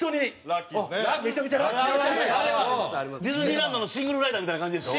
ディズニーランドのシングルライダーみたいな感じでしょ。